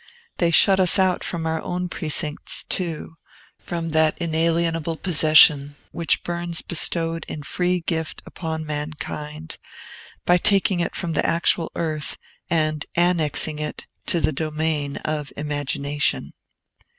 They slant us out from our own precincts, too, from that inalienable possession which Burns bestowed in free gift upon mankind, by taking it from the actual earth and annexing it to the domain of imagination.